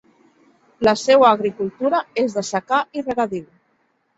La seua agricultura és de secà i regadiu.